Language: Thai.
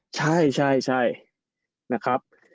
ใช่นะครับ